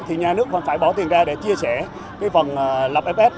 thì nhà nước vẫn phải bỏ tiền ra để chia sẻ cái phần lập ff